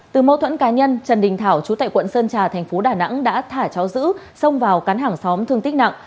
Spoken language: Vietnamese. từ mâu thuẫn cá nhân trần đình thảo chú tại quận sơn trà thành phố đà nẵng đã thả cháu giữ xông vào cắn hàng xóm thương tích nặng